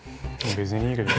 別にいいけど。